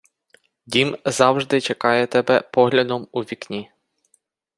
Дім завжди чекає тебе поглядом у вікні